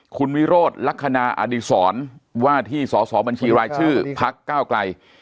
คุณวิโรธลักษณะอดีศรว่าที่สอสอบัญชีรายชื่อพักก้าวไกล